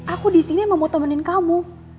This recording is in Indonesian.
aku di sini mau temenin kamu